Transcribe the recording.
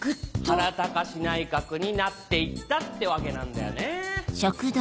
原敬内閣になって行ったってわけなんだよね。